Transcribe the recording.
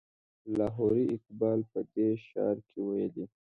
لاهوري اقبال په دې شعر کې ویلي.